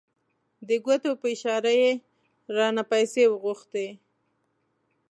د ګوتو په اشاره یې رانه پیسې وغوښتې.